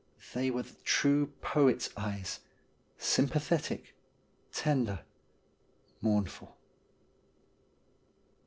They were the true poet's eyes ; sympathetic, tender, mournful.